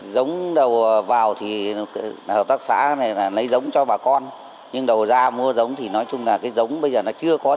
giống đầu vào thì hợp tác xã này là lấy giống cho bà con nhưng đầu ra mua giống thì nói chung là cái giống bây giờ nó chưa có